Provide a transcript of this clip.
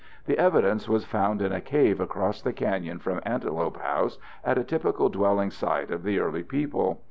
The evidence was found in a cave across the canyon from Antelope House at a typical dwelling site of the early people.